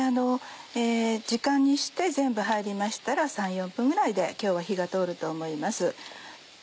時間にして全部入りましたら３４分ぐらいで今日は火が通ると思います。